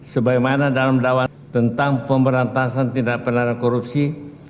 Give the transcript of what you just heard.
sebagaimana dalam dakwaan tentang pemberantasan tindak pidana korupsi